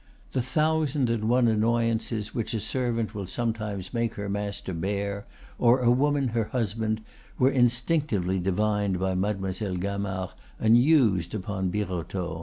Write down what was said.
The thousand and one annoyances which a servant will sometimes make her master bear, or a woman her husband, were instinctively divined by Mademoiselle Gamard and used upon Birotteau.